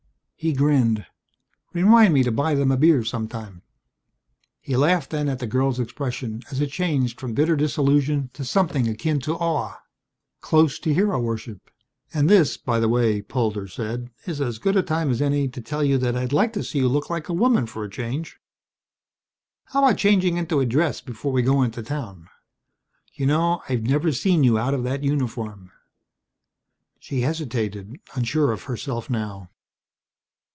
He grinned. "Remind me to buy them a beer sometime." He laughed then at the girl's expression as it changed from bitter disillusion to something akin to awe, close to hero worship. "And this, by the way," Polder said, "is as good a time as any to tell you that I'd like to see you look like a woman, for a change. How about changing into a dress before we go into town. You know, I've never seen you out of that uniform?" She hesitated, unsure of herself now.